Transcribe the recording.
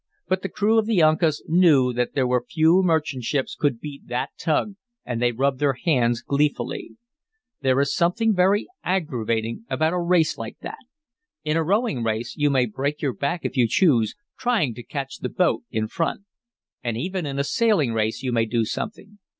But the crew of the Uncas knew that there were few merchant ships could beat that tug, and they rubbed their hands gleefully. There is something very aggravating about a race like that. In a rowing race you may break your back if you choose, trying to catch the boat in front; and even in a sailing race you may do something.